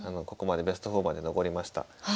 ここまでベスト４まで上りました。